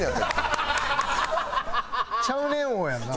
ちゃうねん王やんな？